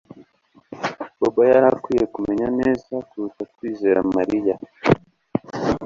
Bobo yari akwiye kumenya neza kuruta kwizera Mariya